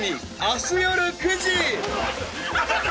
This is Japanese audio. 明日夜９時。